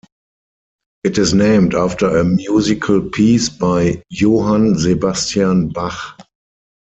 It is named after a musical piece by Johann Sebastian Bach.